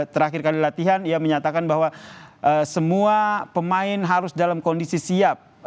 terakhir kali latihan ia menyatakan bahwa semua pemain harus dalam kondisi siap